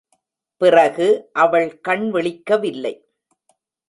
பிறகு அவள் கண்விழிக்கவில்லை.